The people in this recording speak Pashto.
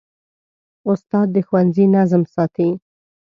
استاد د ښوونځي نظم ساتي.